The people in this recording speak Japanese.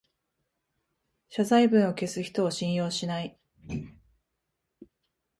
謝罪文を消す人を信用しない